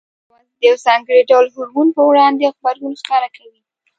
هره حجره یوازې د یو ځانګړي ډول هورمون په وړاندې غبرګون ښکاره کوي.